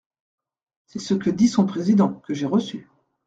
C’est ce que dit son président, que j’ai reçu.